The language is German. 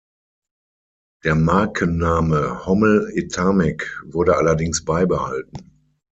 Der Markenname "Hommel-Etamic" wurde allerdings beibehalten.